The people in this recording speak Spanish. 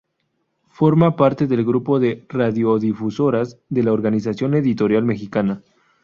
Forma parte del grupo de radiodifusoras de la Organización Editorial Mexicana.